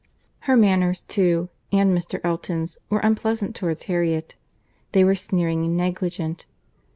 Her manners, too—and Mr. Elton's, were unpleasant towards Harriet. They were sneering and negligent.